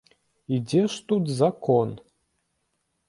І дзе ж тут закон?